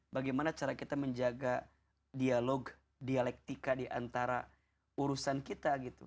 bagaimana cara kita menjaga dialog dialektika diantara urusan kita gitu